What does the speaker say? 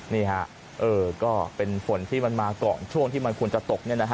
นี่ฮะเออก็เป็นฝนที่มันมาก่อนช่วงที่มันควรจะตกเนี่ยนะฮะ